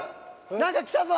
何か来たぞ！